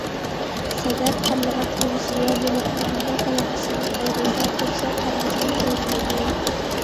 « سەدەپ، قارلىغاچ ئۇۋىسى ۋە بېلىقنىڭ دۈمبە پالاقچىسى» دىن ئايرىلسا، قۇرساق ھەرگىزمۇ تويمايدۇ.